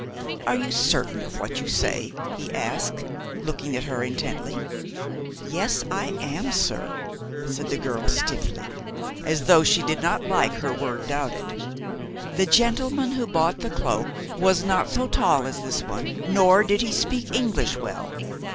"Are you certain of what you say?" he asked, looking at her intently. "Yes, I am, sir," replied the girl stiffly, as though she did not like her word doubted. "The gentleman who bought the cloak was not so tall as this one, nor did he speak English well.